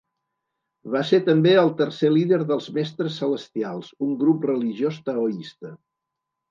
Va ser també el tercer líder dels Mestres celestials, un grup religiós taoista.